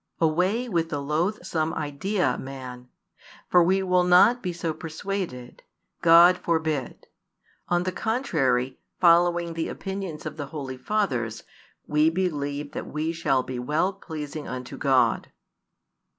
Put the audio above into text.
Away with the loathsome idea, man! For we will not be so persuaded; God forbid! On the contrary, following the opinions of the holy fathers, we believe that we shall be well pleasing unto God.